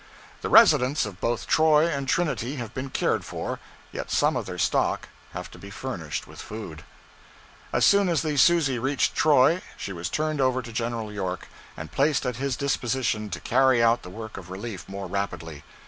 The residents of both Troy and Trinity have been cared for, yet some of their stock have to be furnished with food. As soon as the 'Susie' reached Troy, she was turned over to General York, and placed at his disposition to carry out the work of relief more rapidly.